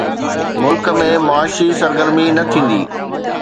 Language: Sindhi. ملڪ ۾ معاشي سرگرمي نه ٿيندي.